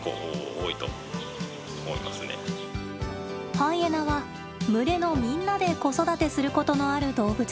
ハイエナは群れのみんなで子育てすることのある動物です。